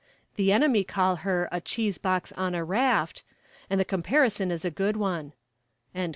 The enemy call her a 'cheese box on a raft,' and the comparison is a good one."